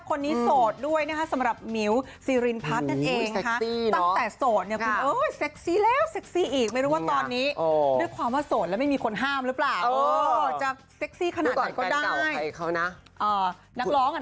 คนนี้โสดด้วยมิวซีรินพัทย์นั่นเอง